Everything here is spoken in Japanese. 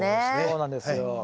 そうなんですよ。